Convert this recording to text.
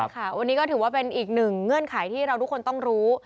ค่ะวันนี้ก็ถือว่าเป็นอีกหนึ่งเงื่อนไขที่เราทุกคนต้องรู้